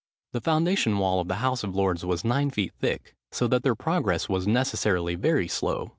The foundation wall of the House of Lords was nine feet thick, so that their progress was necessarily very slow.